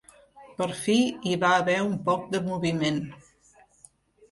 Per fi, hi va haver un poc de moviment